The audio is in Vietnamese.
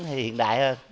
hiện đại hơn